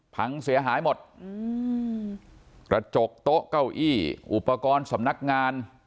พังเสียหายหมดอืมกระจกโต๊ะเก้าอี้อุปกรณ์สำนักงาน